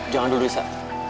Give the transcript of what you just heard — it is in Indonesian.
jangan duduk isha